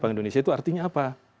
bank indonesia itu artinya apa